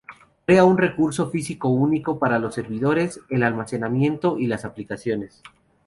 Crea un recurso físico único para los servidores, el almacenamiento y las aplicaciones.